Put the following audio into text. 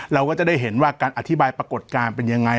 เราก็จะได้เห็นว่าการอธิบายปรากฏการณ์เป็นยังไง